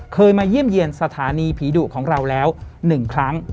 มาเยี่ยมเยี่ยมสถานีผีดุของเราแล้ว๑ครั้ง